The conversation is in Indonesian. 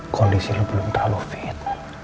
kondisi lu belum terlalu fit